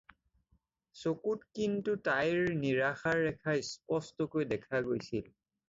চকুত কিন্তু তাইৰ নিৰাশাৰ ৰেখা স্পষ্টকৈ দেখা গৈছিল।